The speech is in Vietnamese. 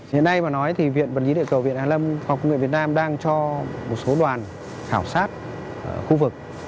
hiện nay mà nói thì viện vật lý đại cầu viện hà lâm và công nghệ việt nam đang cho một số đoàn khảo sát khu vực